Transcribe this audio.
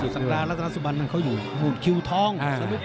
ศักดารัฐนาสุวรรณเขาอยู่หุ่นคิวทอง